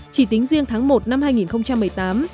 chỉ tính riêng tháng một năm hai nghìn một mươi tám